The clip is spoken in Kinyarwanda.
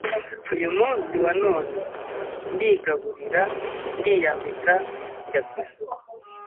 Uyu munsi wa none ndigaburira, ndiyambika, njya ku isoko,